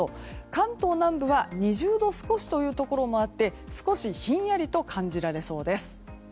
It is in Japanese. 関東南部は２０度少しというところもあって少しひんやりと感じられそうです。